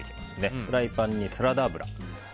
フライパンにサラダ油を。